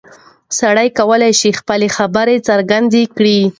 سړی کولی شي خپله خبره څرګنده کړي.